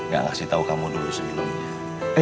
gak kasih tau kamu dulu sebelumnya